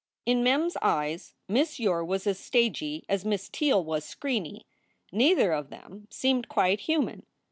In Mem s eyes Miss Yore was as stagy as Miss Teele was screeny. Neither of them seemed quite human.